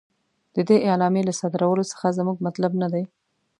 د دې اعلامیې له صادرولو څخه زموږ مطلب نه دی.